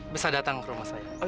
bisa datang ke rumah saya